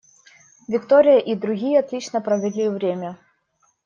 Виктория и другие отлично провели время.